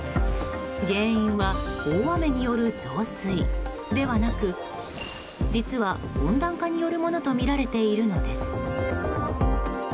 原因は大雨による増水ではなく実は温暖化によるものとみられているのです。